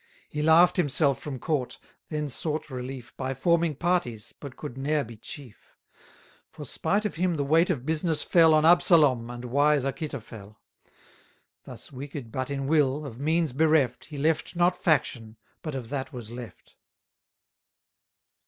He laugh'd himself from court; then sought relief By forming parties, but could ne'er be chief: For, spite of him the weight of business fell On Absalom and wise Achitophel: Thus, wicked but in will, of means bereft, He left not faction, but of that was left.